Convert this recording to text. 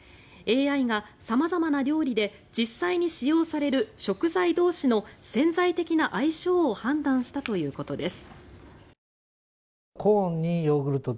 ＡＩが様々な料理で実際に使用される食材同士の潜在的な相性を判断したということです。